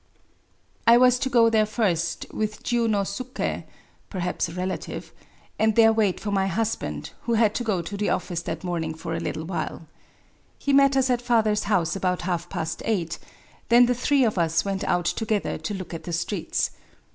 I was to go there first with Jiunosuke \^perhaps a relative] , and there wait for my husband, who had to go to the office that morning for a little while. He met us at father's house about half past eight : then the three of us went out together to look at the streets.